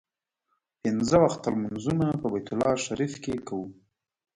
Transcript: پنځه وخته لمونځونه په بیت الله شریف کې کوو.